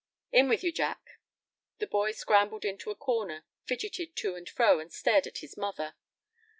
"In with you, Jack." The boy scrambled into a corner, fidgeted to and fro, and stared at his mother.